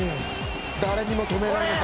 誰にも止められない。